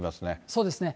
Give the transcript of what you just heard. そうですね。